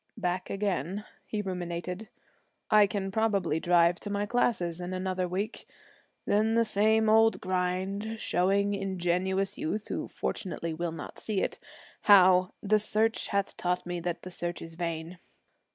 'Back again,' he ruminated. 'I can probably drive to my classes in another week. Then the same old grind, showing ingenuous youth who fortunately will not see it how "the search hath taught me that the search is vain."